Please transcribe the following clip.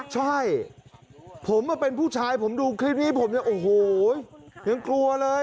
ใช่ผมมาเป็นผู้ชายผมดูคลิปนี้ผมเนี่ยโอ้โหยังกลัวเลย